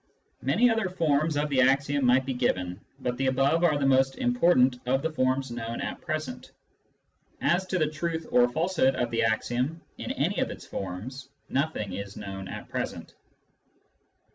Many other forms of the axiom might be given, but the above are the most important of the forms known at present. As to the truth or falsehood of the axiom in any of its forms, nothing is known at present.